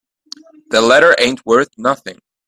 The letter ain't worth nothing.